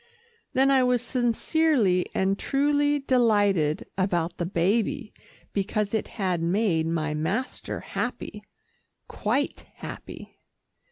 Then I was sincerely and truly delighted about the baby, because it had made my master happy, quite happy.